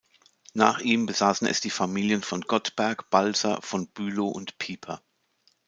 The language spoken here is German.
Nach ihm besaßen es die Familien von Gottberg, Balser, von Bülow und Pieper.